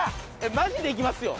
マジでいきますよ？